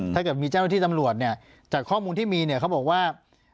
ถ้าเกิดมีเจ้าที่สำรวจจากข้อมูลที่มีเขาบอกว่า